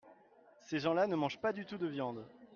Ces gens-là ne mangent pas du tout de viande.